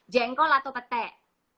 jengkol atau petek